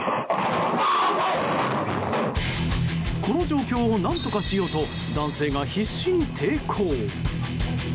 この状況を何とかしようと男性が必死に抵抗。